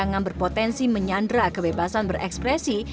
yang berpotensi menyandra kebebasan berekspresi